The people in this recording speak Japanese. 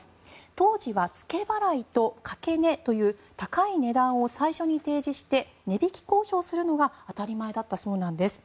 当時は付け払いと掛け値という高い値段を最初に提示して値引き交渉するのが当たり前だったそうなんです。